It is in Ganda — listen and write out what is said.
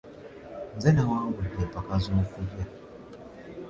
Nze nawangude empaka z'okulya.